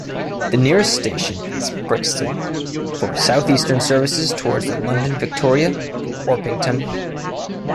The nearest station is Brixton for Southeastern services towards London Victoria and Orpington.